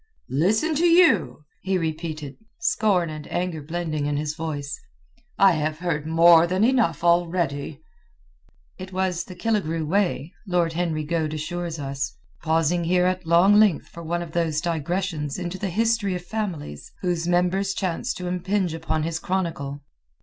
"Listen to you?" he repeated, scorn and anger blending in his voice. "I have heard more than enough already!" It was the Killigrew way, Lord Henry Goade assures us, pausing here at long length for one of those digressions into the history of families whose members chance to impinge upon his chronicle.